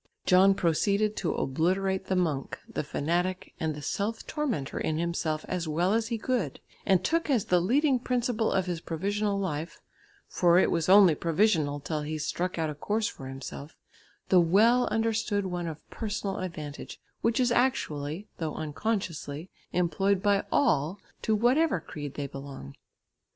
John proceeded to obliterate the monk, the fanatic and the self tormentor in himself as well as he could, and took as the leading principle of his provisional life (for it was only provisional till he struck out a course for himself) the well understood one of personal advantage, which is actually, though unconsciously, employed by all, to whatever creed they belong.